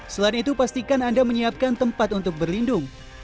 selain itu pastikan anda menyiapkan tempat untuk berlindung